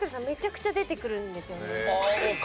めちゃくちゃ出てくるんですよね。